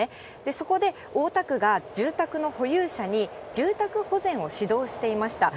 そこで、大田区が住宅の保有者に、住宅保全を指導していました。